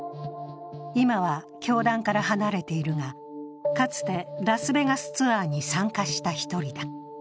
今は教団から離れているが、かつてラスベガスツアーに参加した１人だ。